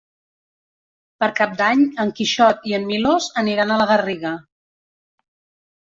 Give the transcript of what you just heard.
Per Cap d'Any en Quixot i en Milos aniran a la Garriga.